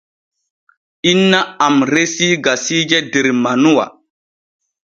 Inna am resi gasiije der manuwa.